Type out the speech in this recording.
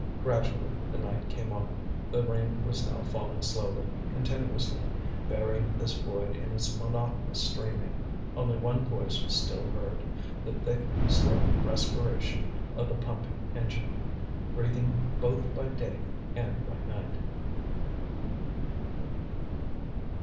Gradually the night came on, the rain was now falling slowly, continuously, burying this void in its monotonous streaming. Only one voice was still heard, the thick, slow respiration of the pumping engine, breathing both by day and by night.